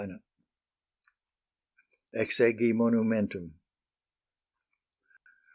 XXX. EXEGI MONUMENTUM.